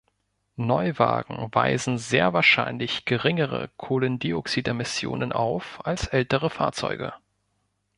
Neuwagen weisen sehr wahrscheinlich geringere Kohlendioxidemissionen auf als ältere Fahrzeuge.